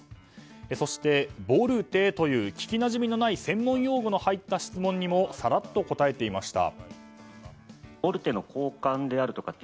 そして、ボルテという聞きなじみのない専門用語の入った質問にもさらっと答えていました。